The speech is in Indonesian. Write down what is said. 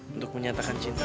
untuk menyatakan cinta